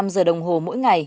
bốn năm giờ đồng hồ mỗi ngày